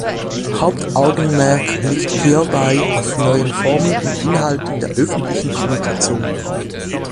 Hauptaugenmerk liegt hierbei auf neuen Formen und Inhalten der öffentlichen Kommunikation.